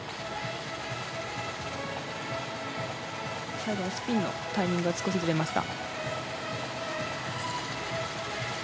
最後のスピンのタイミング少しずれました。